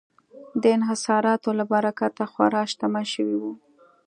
د انحصاراتو له برکته خورا شتمن شوي وو.